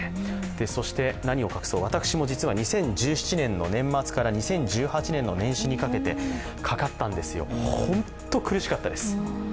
そして何を隠そう、私も実は２０１７年の年末から２０１８年の年始にかけてかかったんですよ、本当に苦しかったです。